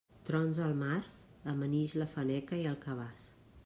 Trons al març, amanix la faneca i el cabàs.